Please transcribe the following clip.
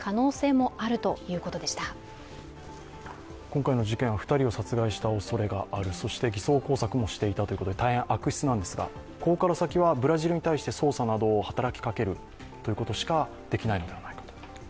今回の事件、２人を殺害したおそれがあるそして偽装工作もしていたということで大変悪質なんですが、これから先はブラジルに対して捜査などを働きかけるということしかできないのではないかと。